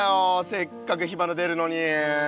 せっかく火花でるのに。